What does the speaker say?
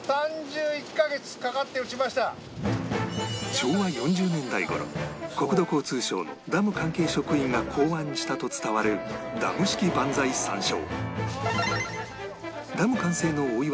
昭和４０年代頃国土交通省のダム関係職員が考案したと伝わるダム式万歳三唱